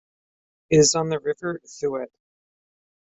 It is on the River Thouet.